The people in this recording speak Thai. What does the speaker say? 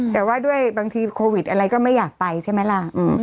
แต่ว่าด้วยบางทีโควิดอะไรก็ไม่อยากไปใช่ไหมล่ะ